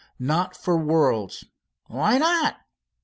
"Not for worlds." "Why not?"